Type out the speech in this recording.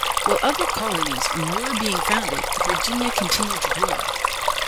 While other colonies were being founded, Virginia continued to grow.